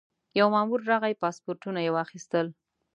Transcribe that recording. یو مامور راغی پاسپورټونه یې واخیستل.